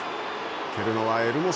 蹴るのは、エルモソ。